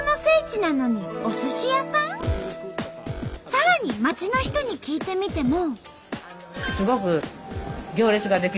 さらに街の人に聞いてみても。